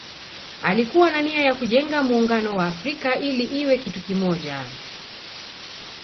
Alikuwa na nia ya kujenga Muungano wa Afrika ili iwe kitu kimoja